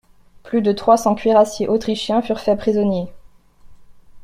Plus de trois cents cuirassiers autrichiens furent faits prisonniers.